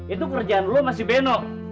itu kerjaan lu masih beno